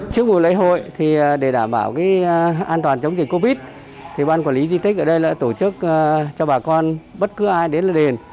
trước mùa lễ hội để đảm bảo an toàn chống dịch covid một mươi chín ban quản lý di tích ở đây đã tổ chức cho bà con bất cứ ai đến đền